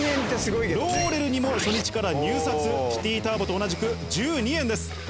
ローレルにも初日から入札シティターボと同じく１２円です。